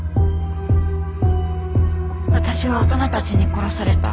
私は大人たちに殺された。